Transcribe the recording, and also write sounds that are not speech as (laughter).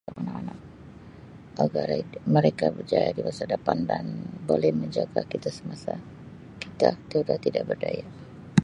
Untuk anak-anak (unintelligible) mereka berjaya di masa depan dan boleh menjaga kita semasa kita tiada tidak berdaya.